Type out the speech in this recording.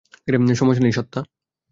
সমস্যা নেই, সত্যা।